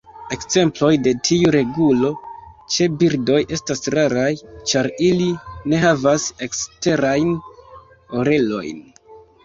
Ekzemploj de tiu regulo ĉe birdoj estas raraj, ĉar ili ne havas eksterajn orelojn.